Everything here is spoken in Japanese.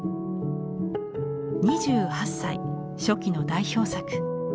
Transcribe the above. ２８歳初期の代表作。